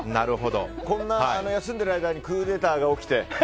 こんな、休んでる間にクーデターが起きて。